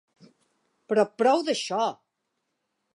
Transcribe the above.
Però prou d'això!